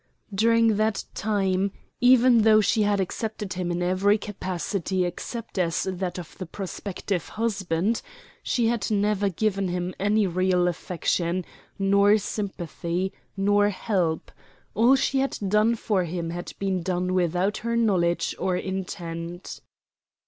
During that time, even though she had accepted him in every capacity except as that of the prospective husband, she had never given him any real affection, nor sympathy, nor help; all she had done for him had been done without her knowledge or intent.